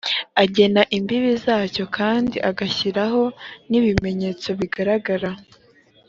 agena imbibi zacyo kandi agashyiraho n’ibimenyetso bigaragara